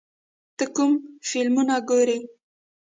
ته کوم فلمونه ګورې؟